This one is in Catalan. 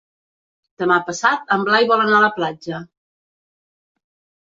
Demà passat en Blai vol anar a la platja.